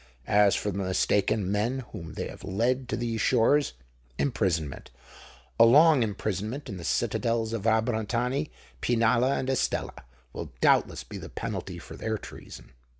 As for the mistaken men whom they have led to these shores, imprisonment—a long imprisonment in the citadels of Abrantani, Pinalla, and Estella, will doubtless be the penalty of their treason."